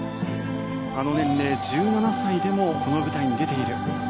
あの年齢、１７歳でもこの舞台に出ている。